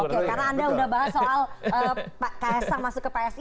oke karena anda sudah bahas soal pak kaisang masuk ke psi